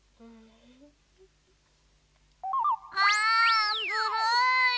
あんずるい。